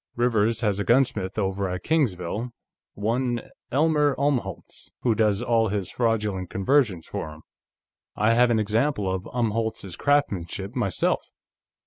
Rivers has a gunsmith over at Kingsville, one Elmer Umholtz, who does all his fraudulent conversions for him. I have an example of Umholtz's craftsmanship, myself.